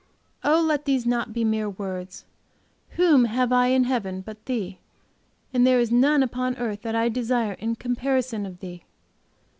Oh, let these not be mere words! Whom have I in heaven but Thee? and there is none upon earth that I desire in comparison of Thee.